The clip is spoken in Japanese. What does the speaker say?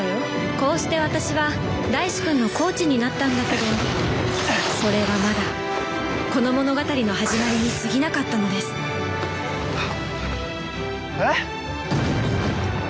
こうして私は大志くんのコーチになったんだけどそれはまだこの物語の始まりにすぎなかったのですえっ？